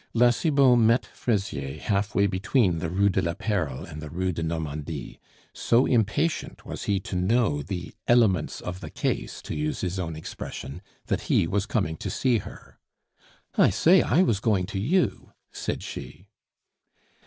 La Cibot met Fraisier halfway between the Rue de la Perle and the Rue de Normandie; so impatient was he to know the "elements of the case" (to use his own expression), that he was coming to see her. "I say! I was going to you," said she.